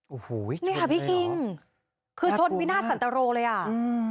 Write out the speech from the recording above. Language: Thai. โอ้โหนี่ค่ะพี่คิงคือชนวินาทสันตรโรเลยอ่ะอืม